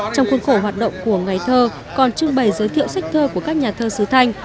trong khuôn khổ hoạt động của ngày thơ còn trưng bày giới thiệu sách thơ của các nhà thơ sứ thanh